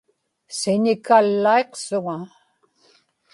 siñikallaiqsuŋa